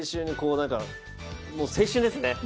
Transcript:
もう、青春ですね！